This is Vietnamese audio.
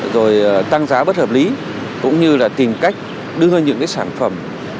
rồi tăng giá bất hợp lý cũng như là tìm cách đưa những cái sản phẩm